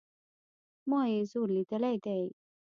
ما ئې زور ليدلى دئ